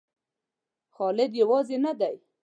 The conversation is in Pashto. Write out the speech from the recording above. خالد یوازې نه دی.